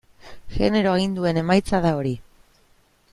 Genero aginduen emaitza da hori.